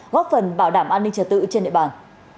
góp phần bảo đảm an ninh trật tự trên địa bàn